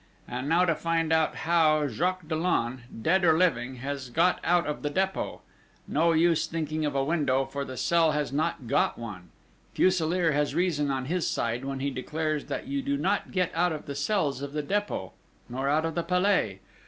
And now to find out how Jacques Dollon, dead or living, has got out of the Dépôt! No use thinking of a window, for the cell has not got one! Fuselier has reason on his side when he declares that you do not get out of the cells of the Dépôt, nor out of the Palais!...